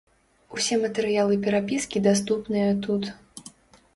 Усе матэрыялы перапіскі даступныя тут.